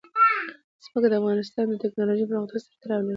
ځمکه د افغانستان د تکنالوژۍ پرمختګ سره تړاو لري.